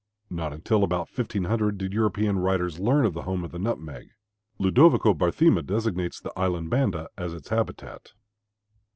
Not until about 1500 did European writers learn the home of the nutmeg. Ludovico Barthema designates the island Banda as its habitat.